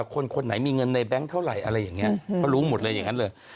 คนไหนมีเงินแบงค์เท่าไร